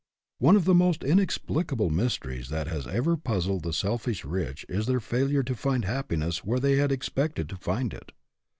One of the most inexplicable mysteries that has ever puzzled the selfish rich is their failure to find happiness where they had expected to find it.